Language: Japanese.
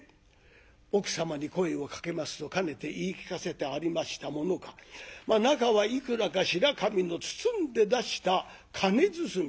奥様に声をかけますとかねて言い聞かせてありましたものか中はいくらか白紙の包んで出した金包み。